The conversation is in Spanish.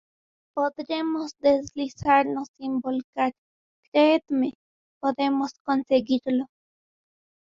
podremos deslizarnos sin volcar, creedme, podemos conseguirlo.